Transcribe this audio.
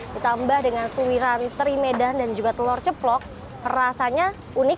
ditambah dengan suiran teri medan dan juga telur ceplok rasanya unik